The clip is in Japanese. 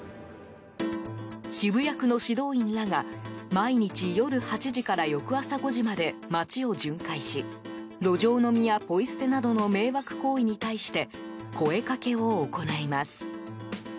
渋谷区の指導員らが毎日夜８時から翌朝５時まで街を巡回し路上飲みやポイ捨てなどの迷惑行為に対して声かけを行います。